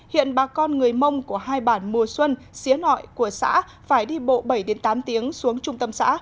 hiện bà con người mông của hai bản mùa xuân xía nội của xã phải đi bộ bảy tám tiếng xuống trung tâm xã